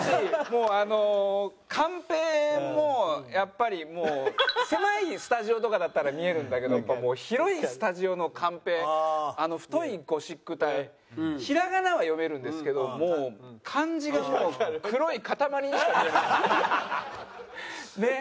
もうあのカンペもやっぱりもう狭いスタジオとかだったら見えるんだけどやっぱもう広いスタジオのカンペあの太いゴシック体平仮名は読めるんですけど漢字がもう黒い固まりにしか見えないねえ。